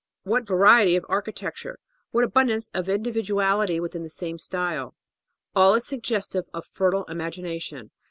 What variety of architecture, what abundance of individuality, within the same style! All is suggestive of fertile imagination.